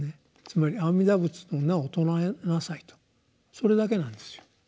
つまり「阿弥陀仏の名を称えなさい」とそれだけなんですよ。